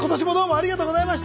ありがとうございます！